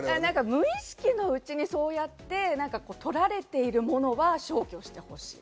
無意識のうちに撮られているものは消去してほしい。